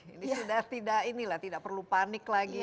ini sudah tidak perlu panik lagi